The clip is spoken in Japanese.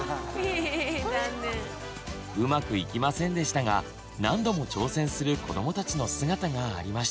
うまくいきませんでしたが何度も挑戦する子どもたちの姿がありました。